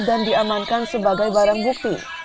dan diamankan sebagai barang bukti